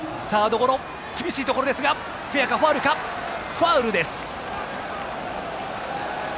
ファウルです。